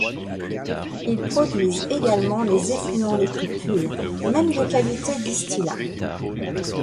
Ils produisent également les effluents les plus purs, même de qualité distillat.